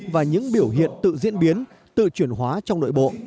và những biểu hiện tự diễn biến tự chuyển hóa trong nội bộ